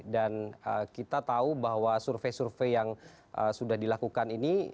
dan kita tahu bahwa survei survei yang sudah dilakukan ini